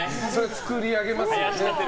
作り上げますよね。